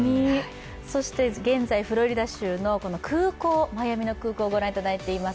そして現在、フロリダ州のマイアミの空港をご覧いただいてます。